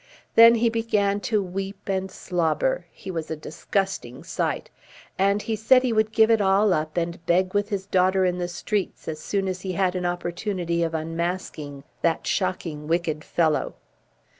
Then he began to weep and slobber he was a disgusting sight and he said he would give it all up and beg with his daughter in the streets as soon as he had an opportunity of unmasking 'that shocking wicked fellow.'"